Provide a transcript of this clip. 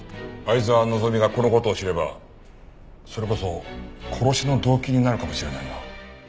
沢希がこの事を知ればそれこそ殺しの動機になるかもしれないな。